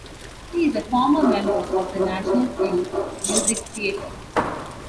He is a former member of the National Youth Music Theatre.